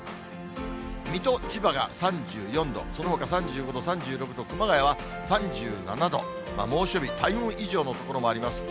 水戸、千葉が３４度、そのほか３５度、３６度、熊谷は３７度、猛暑日、体温以上の所もあります。